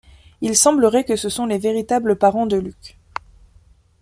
Il semblerait que ce sont les véritables parents de Luke.